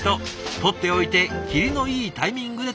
とっておいて切りのいいタイミングでという人。